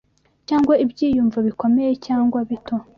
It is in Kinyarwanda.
cyangwa ibyiyumvo, bikomeye cyangwa bito;